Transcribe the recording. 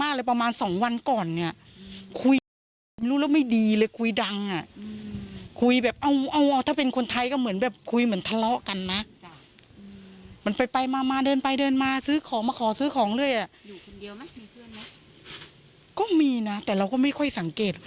ก็มีนะแต่เราก็ไม่ค่อยสังเกต